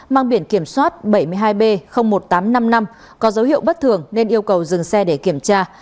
mang biển kiểm soát bảy mươi hai b một nghìn tám trăm năm mươi năm có dấu hiệu bất thường nên yêu cầu dừng xe để kiểm tra